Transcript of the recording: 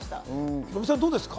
ヒロミさん、どうですか？